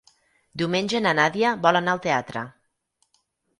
Diumenge na Nàdia vol anar al teatre.